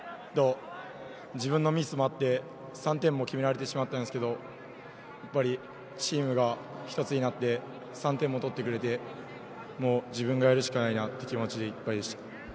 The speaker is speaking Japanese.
自分のミスもあって、３点も決められてしまったんですけれど、チームがひとつになって３点を取ってくれて、自分がやるしかないなという気持ちでいっぱいでした。